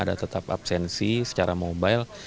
ada tetap absensi secara mobile